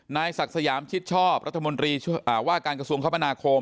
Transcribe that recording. นายสักษะยามชิดชอบรัฐมนตรีช่วยว่าการกระทรวงความอนาคม